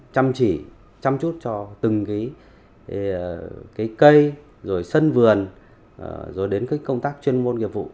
chăm chỉ chăm chút cho từng cây sân vườn đến công tác chuyên môn nghiệp vụ